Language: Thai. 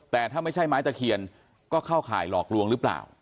แต่ถ้าไม่ใช่ไม้ตะเคียนก็เข้าข่ายหลอกลวงหรือเปล่า